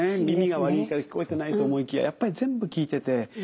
耳が悪いから聞こえてないと思いきややっぱり全部聞いてて。